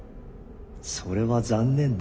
それは残念だ。